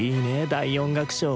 第４楽章。